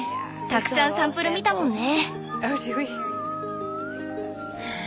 たくさんサンプル見たもんね。